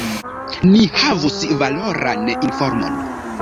Ni havus valoran informon.